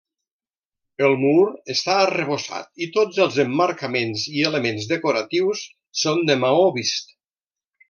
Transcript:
El mur està arrebossat i tots els emmarcaments i elements decoratius són de maó vist.